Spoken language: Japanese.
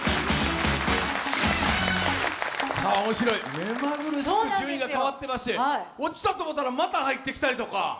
めまぐるしく順位が変わってまして落ちたと思ったら、また入ってきたりとか。